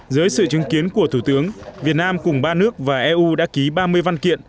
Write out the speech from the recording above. dưới sự chứng kiến của thủ tướng việt nam cùng ba nước và eu đã ký ba mươi văn kiện